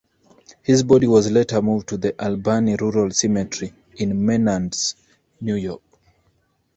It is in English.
His body was later moved to the Albany Rural Cemetery in Menands, New York.